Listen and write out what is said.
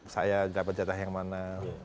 saya dapat jatah yang mana